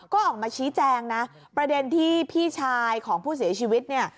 ก็ออกมาชี้แจงนะประเด็นที่พี่ชายของผู้เสียชีวิตเนี่ย